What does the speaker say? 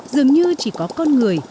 dường như chỉ có con người